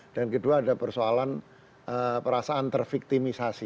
dan kedua ada persoalan perasaan terviktimisasi